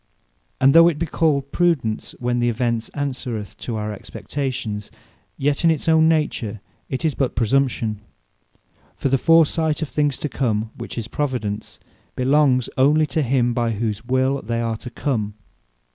And though it be called Prudence, when the Event answereth our Expectation; yet in its own nature, it is but Presumption. For the foresight of things to come, which is Providence, belongs onely to him by whose will they are to come.